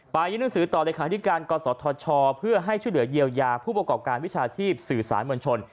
ปลายยนต์หนังสือต่อในขณะที่การก่อนสดทชเพื่อให้ช่วยเหลือเยียวยาผู้ประกอบการวิชาชีพสื่อสารมวลชน